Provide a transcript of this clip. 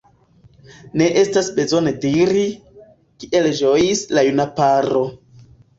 Ne estas bezone diri, kiel ĝojis la juna paro.